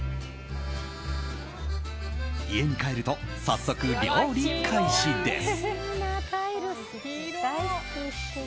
家に帰ると早速、料理開始です。